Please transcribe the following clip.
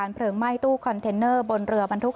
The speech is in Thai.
ผู้ว